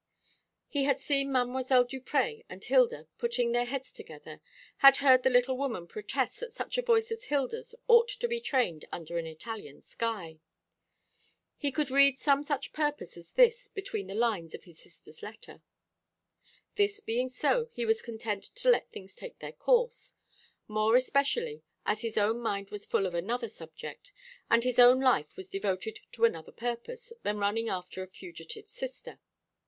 He had seen Mdlle. Duprez and Hilda putting their heads together, had heard the little woman protest that such a voice as Hilda's ought to be trained under an Italian sky. He could read some such purpose as this between the lines of his sister's letter. This being so, he was content to let things take their course; more especially as his own mind was full of another subject, and his own life was devoted to another purpose than running after a fugitive sister.